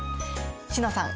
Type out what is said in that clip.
詩乃さん